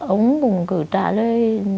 ông cũng cứ trả lời